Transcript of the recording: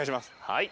はい。